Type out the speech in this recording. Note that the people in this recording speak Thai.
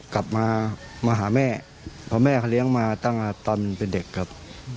กลับมามาหาแม่เพราะแม่เขาเลี้ยงมาตั้งแต่ตอนเป็นเด็กครับ